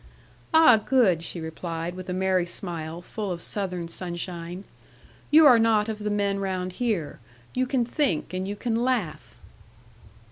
'"Ah, good!" she replied, with a merry smile, full of southern sunshine: "you are not of the men round here; you can think, and you can laugh!"